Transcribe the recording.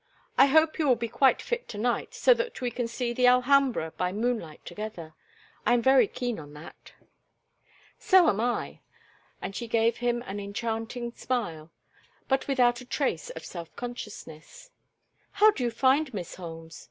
I hope you will be quite fit to night so that we can see the Alhambra by moonlight together. I am very keen on that." "So am I," and she gave him an enchanting smile, but without a trace of self consciousness. "How do you find Miss Holmes?